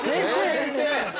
先生！